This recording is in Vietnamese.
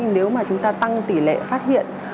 nếu mà chúng ta tăng tỷ lệ phát hiện